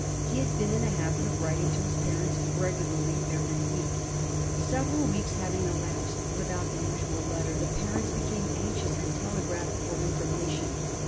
He had been in the habit of writing to his parents regularly every week. Several weeks having elapsed without the usual letter, the parents became anxious and telegraphed for infor mation.